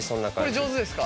これ上手ですか？